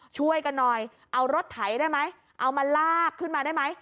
ช่วยกันหน่อยเอารถไถได้ไหมเอามาลากขึ้นมาได้ไหม